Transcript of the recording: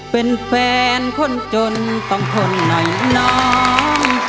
เป็นแฟนคนจนต้องทนหน่อยน้อง